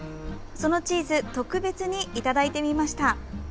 そのチーズ特別にいただいてみました。